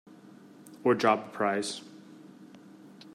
Or drop a prize.